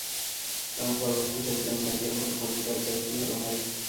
আমার পরবর্তী ছবিতে আমি মাইকের মতো পনিটেল চাই, কী হল মাইক?